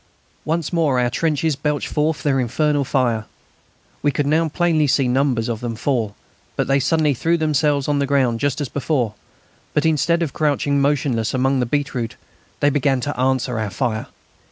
Once more our trenches belched forth their infernal fire. We could now plainly see numbers of them fall; then they suddenly threw themselves on the ground just as before. But instead of crouching motionless among the beetroot they began to answer our fire.